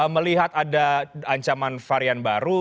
melihat ada ancaman varian baru